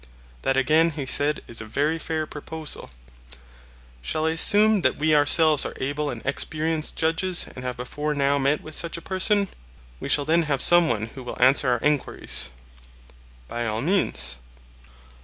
That again, he said, is a very fair proposal. Shall I assume that we ourselves are able and experienced judges and have before now met with such a person? We shall then have some one who will answer our enquiries. By all means.